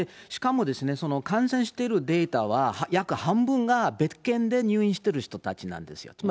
しかも感染しているデータは、約半分が別件で入院している人たちなんですよ。